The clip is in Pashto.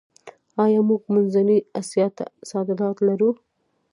آیا موږ منځنۍ اسیا ته صادرات لرو؟